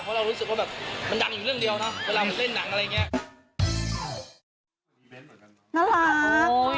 เพราะเรารู้สึกว่าแบบมันดังอยู่เรื่องเดียวนะเวลามันเล่นหนังอะไรอย่างนี้